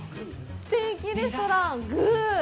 ステーキレストラン寓。